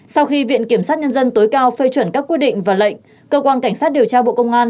sau khi viện kiểm sát nhân dân tối cao phê chuẩn các quy định và lệnh cơ quan cảnh sát điều tra bộ công an